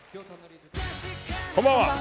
こんばんは。